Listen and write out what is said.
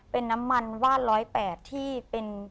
เป็นน้ำมันวาดร้อยแปดที่เป็น